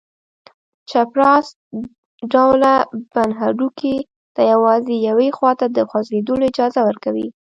چپراست ډوله بند هډوکي ته یوازې یوې خواته د خوځېدلو اجازه ورکوي.